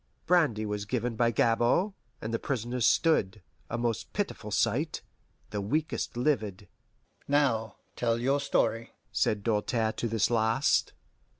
Brandy was given by Gabord, and the prisoners stood, a most pitiful sight, the weakest livid. "Now tell your story," said Doltaire to this last.